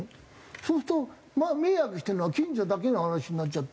そうすると迷惑してるのは近所だけの話になっちゃって。